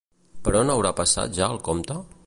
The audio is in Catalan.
Per on haurà passat ja el comte?